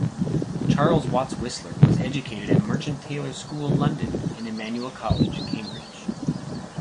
Charles Watts Whistler was educated at Merchant Taylors School, London and Emmanuel College, Cambridge.